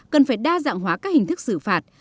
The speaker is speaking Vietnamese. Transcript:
cần phải đa dạng hóa các hình thức xử phạt